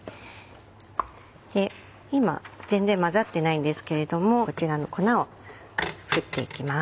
で今全然混ざってないんですけれどもこちらの粉を振っていきます。